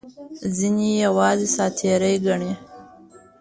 ځینې یې یوازې ساعت تېرۍ ګڼي.